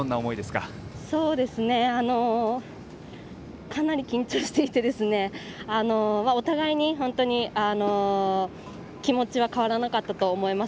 かなり緊張していてお互いに、本当に気持ちは変わらなかったと思います。